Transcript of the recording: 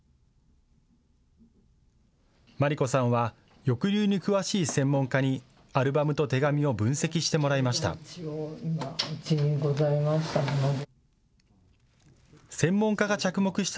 真理子さんは抑留に詳しい専門家にアルバムと手紙を分析してもらいました。